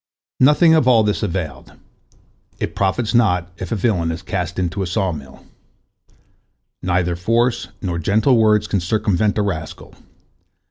Nothing of all this availed: "It profits not if a villain is cast into a sawmill"—neither force nor gentle words can circumvent a rascal.